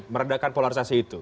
merendahkan polarisasi itu